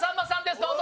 どうぞ！